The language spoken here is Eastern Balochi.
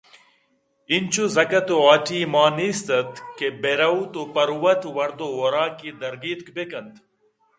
اِینچو زِکَتءُ ہاٹی ئے مان نیست اَت کہ بُہ رَئوتءُ پروت وَردءُ وَرَاکے درگیتک بِہ کنت